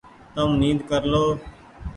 تم نيد ڪر لو ۔